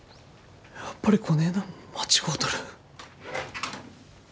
やっぱりこねえなん間違うとる。